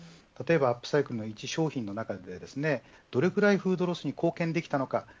アップサイクルの一商品の中でどれくらいフードロスに貢献できたのか。